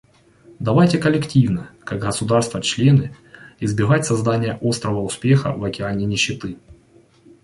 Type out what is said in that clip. Давайте коллективно — как государства-члены — избегать создания острова успеха в океане нищеты.